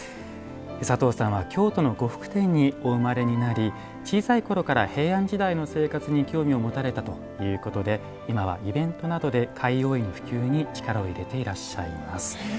佐藤さんは京都の呉服店にお生まれになり小さいころから平安時代の生活に興味を持たれたということで今はイベントなどで「貝覆い」の普及に力を入れていらっしゃいます。